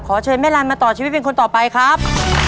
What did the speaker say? เชิญแม่ลันมาต่อชีวิตเป็นคนต่อไปครับ